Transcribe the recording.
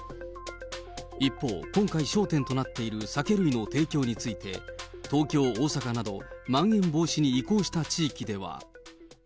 一方、今回焦点となっている酒類の提供について、東京、大阪などまん延防止に移行した地域では。